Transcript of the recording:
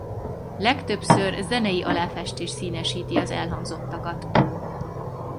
Legtöbbször zenei aláfestés színesíti az elhangzottakat.